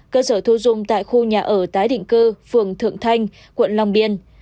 cơ sở thu dung tại khu nhà ở tái định cư phường thượng thanh quận long biên